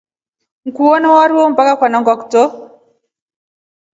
Niku wanywa wari wo hadi ukanangwa kutro.